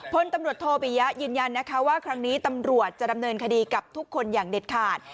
พลตำรวจโทปิยะยืนยันนะคะว่าครั้งนี้ตำรวจจะดำเนินคดีกับทุกคนอย่างเด็ดขาด